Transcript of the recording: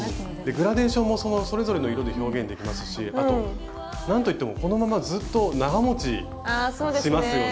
グラデーションもそれぞれの色で表現できますしあとなんといってもこのままずっと長もちしますよね。